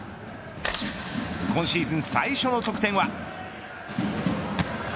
今シーズン最初の得点は。